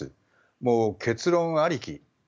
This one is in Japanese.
もう結論ありき。